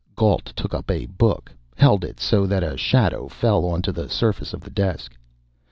Gault took up a book, held it so that a shadow fell onto the surface of the desk.